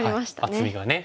厚みがね